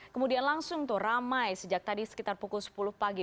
kemudian langsung tuh ramai sejak tadi sekitar pukul sepuluh pagi